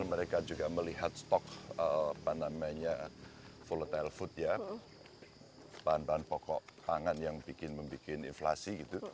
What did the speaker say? mereka juga melihat stok apa namanya full retail food ya bahan bahan pokok pangan yang bikin membikin inflasi gitu